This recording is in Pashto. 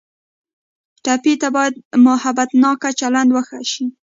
ټپي ته باید محبتناکه چلند وشي.